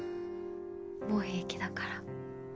もう平気だから。